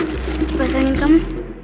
kasih pasangin kamu